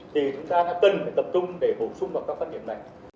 thì chúng ta đã cần tập trung để bổ sung vào các quan điểm